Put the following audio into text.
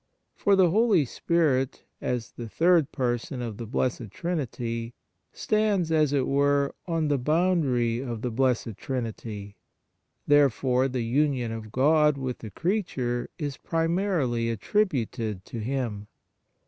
For the Holy Spirit, as the Third Person of the Blessed Trinity, stands, as it were, on the boundary of the Blessed Trinity; therefore the union of God with the crea ture is primarily attributed to Him.